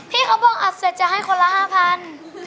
พี่เค้าบอกว่าเสร็จจะให้คนละ๕๐๐๐บาท